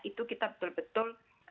itu kita betul betul